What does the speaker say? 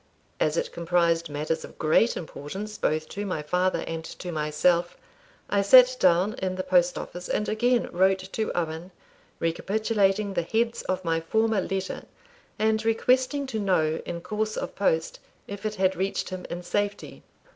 As it comprised matters of great importance both to my father and to myself, I sat down in the post office and again wrote to Owen, recapitulating the heads of my former letter, and requesting to know, in course of post, if it had reached him in safety.